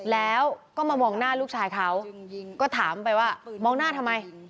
แล้วก็มามองหน้าลูกชายเขาก็ถามไปว่ามองหน้าทำไม